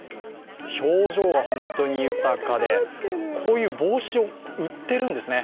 表情が本当に豊かでこういう帽子を売ってるんですね。